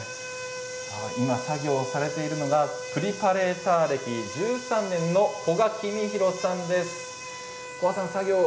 今作業されているのがプリパレーター歴１３年の古閑公浩さんです。